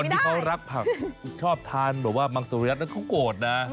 คนที่เขารักผักชอบทานบอกว่ามังสุริยะก็โกรธนะ